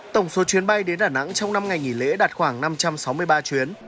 tổng số chuyến bay đến đà nẵng trong năm ngày nghỉ lễ đạt khoảng năm trăm sáu mươi ba chuyến